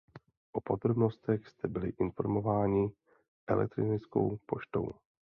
O podrobnostech jste byli informovaní elektronickou poštou.